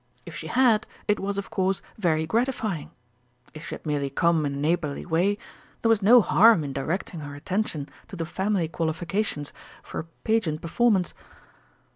If she had, it was, of course very gratifying. If she had merely come in a neighbourly way, there was no harm in directing her attention to the family qualifications for a Pageant performance.